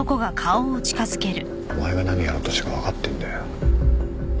お前が何やろうとしてるか分かってんだよ。